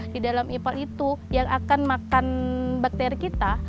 di dalam ipel itu yang akan makan bakteri kita